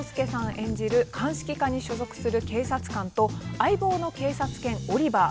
演じる鑑識課に所属する警察官と相棒の警察犬オリバー。